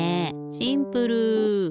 シンプル！